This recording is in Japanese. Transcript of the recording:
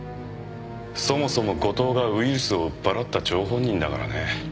そもそも後藤がウイルスを売っぱらった張本人だからね。